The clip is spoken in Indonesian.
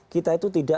kita itu tidak